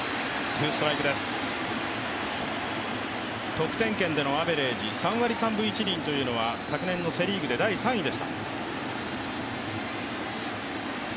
得点圏でのアベレージ、３割３分１厘というのは昨年のセ・リーグで第３位でした。